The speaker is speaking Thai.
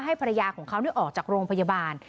ภรรยาของเขาออกจากโรงพยาบาล